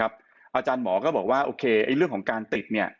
อาจารย์หมอก็บอกว่าโอเคเรื่องของการติด